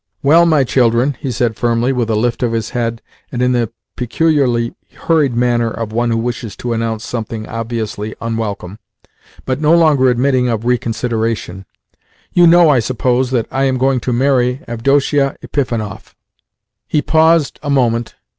"Well, my children," he said firmly, with a lift of his head and in the peculiarly hurried manner of one who wishes to announce something obviously unwelcome, but no longer admitting of reconsideration, "you know, I suppose, that I am going to marry Avdotia Epifanov." He paused a moment.